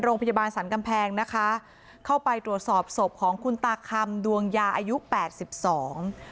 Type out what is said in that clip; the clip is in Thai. โรงพยาบาลสรรกำแพงนะคะเข้าไปตรวจสอบศพของคุณตาคำดวงยาอายุแปดสิบสอง